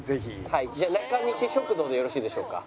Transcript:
はいじゃあ中西食堂でよろしいでしょうか？